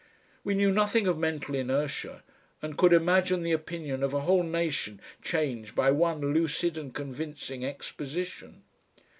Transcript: We knew nothing of mental inertia, and could imagine the opinion of a whole nation changed by one lucid and convincing exposition.